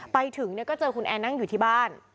ไปถึงก็เจอคุณแอร์นั่งอยู่ที่บ้าน